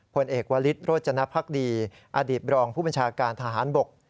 ผลเอกวลิศโรจนภักดีอดีตรองผู้บัญชาการทหารบก